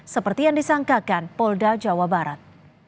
seperti yang disangkakan polda jawa barat